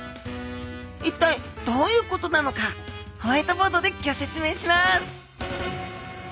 一体どういうことなのかホワイトボードでギョ説明します！